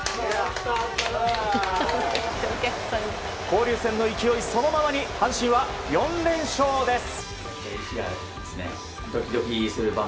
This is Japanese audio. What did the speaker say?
交流戦の勢いそのままに阪神は４連勝です。